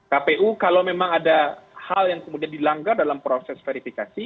kpu kalau memang ada hal yang kemudian dilanggar dalam proses verifikasi